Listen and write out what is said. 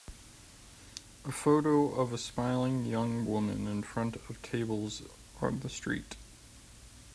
A photo of a smiling young woman in front of tables on the street.